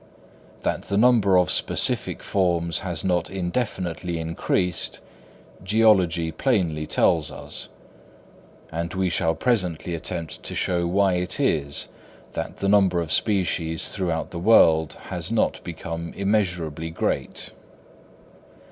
That the number of specific forms has not indefinitely increased, geology plainly tells us; and we shall presently attempt to show why it is that the number of species throughout the world has not become immeasurably great.